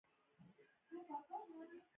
په دې ډول داستانونو کې ریښتوني کسان وي.